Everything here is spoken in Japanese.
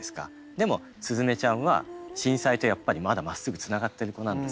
でも鈴芽ちゃんは震災とやっぱりまだまっすぐつながってる子なんですよ。